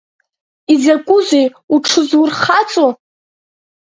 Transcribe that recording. Изакәызеи уҽызурхаҵо?!